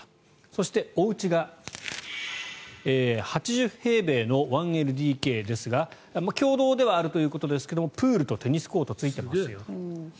そして、おうちが８０平米の１ＬＤＫですが共同ではあるということですがプールとテニスコートついてますよと。